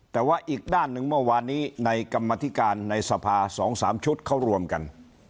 แต่ว่าอีกด้านหนึ่งเมื่อวานนี้ในกรรมธิการในสภา๒๓ชุดเขารวมกัน